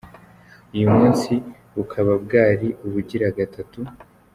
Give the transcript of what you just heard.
Uyu munsi bukaba bwari ubugira gatatu.